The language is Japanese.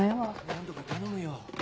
何とか頼むよ。